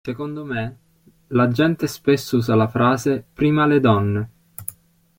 Secondo me, la gente spesso usa la frase: "prima le donne".